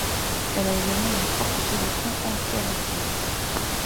Elle a également une forte position anti-avortement.